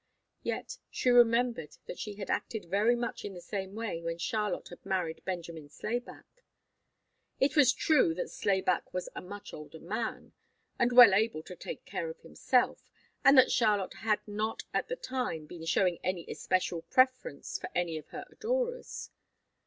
Yet she remembered that she had acted very much in the same way when Charlotte had married Benjamin Slayback. It was true that Slayback was a much older man, and well able to take care of himself, and that Charlotte had not at the time been showing any especial preference for any of her adorers.